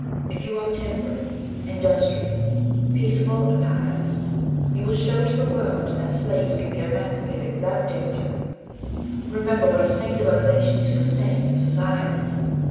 If you are temperate, industrious, peaceable, and pious, you will show to the world that slaves can be emancipated without danger. Remember what a singular relation you sustain to society.